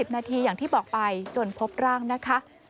นาทีอย่างที่บอกไปจนพบร่างนะคะ